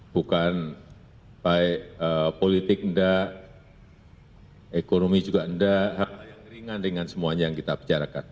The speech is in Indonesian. bukan baik politik ekonomi juga hal hal yang ringan ringan semuanya yang kita bicarakan